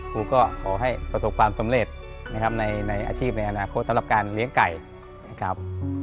ครูก็ขอให้ประสบความสำเร็จนะครับในอาชีพในอนาคตสำหรับการเลี้ยงไก่นะครับ